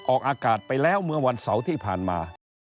ออกอากาศไปแล้วเมื่อวันเสาร์ที่ผ่านมา